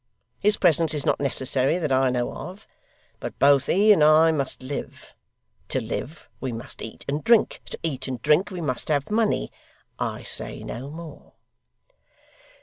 His presence is not necessary that I know of. But both he and I must live; to live, we must eat and drink; to eat and drink, we must have money: I say no more.